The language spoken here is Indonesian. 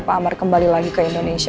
pak amar kembali lagi ke indonesia